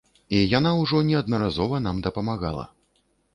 І яна ўжо неаднаразова нам дапамагала.